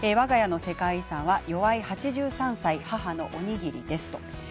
わが家の世界遺産はよわい８３歳、母のおにぎりです。